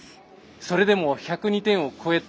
それでも１０２点を超えた。